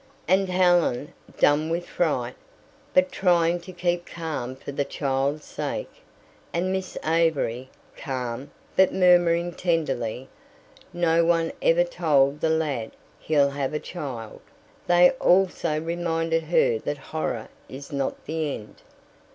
And Helen, dumb with fright, but trying to keep calm for the child's sake, and Miss Avery, calm, but murmuring tenderly, "No one ever told the lad he'll have a child" they also reminded her that horror is not the end.